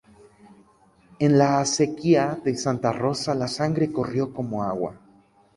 En la acequia de Santa Rosa la sangre corrió como agua.